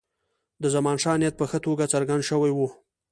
د زمانشاه نیت په ښه توګه څرګند شوی وو.